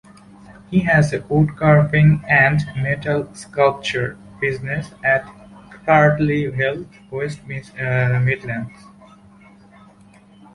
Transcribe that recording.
He has a wood carving and metal sculpture business at Cradley Heath, West Midlands.